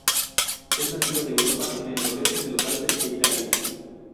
Es nativa de Europa en el noreste de los Alpes e Italia.